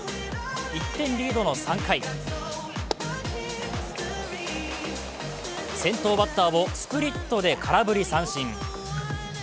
１点リードの３回先頭バッターをスプリットで空振り三振。